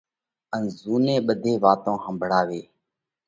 ان زُوني ٻڌي واتون ۿمڀۯاوي۔